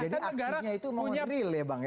jadi aksinya itu memang real ya bang ya